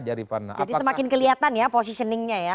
jadi semakin kelihatan ya posisinya ya